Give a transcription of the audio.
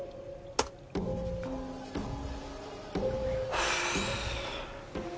はあ。